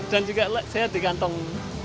dan juga sehat di kantong